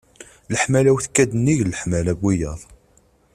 Leḥmala-w tekka-d nnig leḥmala n wiyaḍ.